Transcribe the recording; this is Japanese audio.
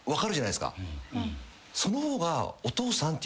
その方が。